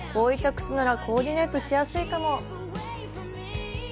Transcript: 靴ならコーディネートしやすいかも。